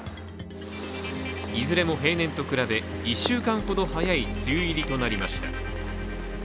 いずれも平年と比べ１週間ほど早い梅雨入りとなりました。